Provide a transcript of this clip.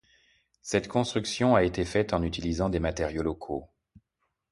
Cette construction a été faite en utilisant des matériaux locaux.